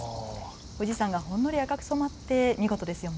富士山がほんのり赤く染まって見事ですよね。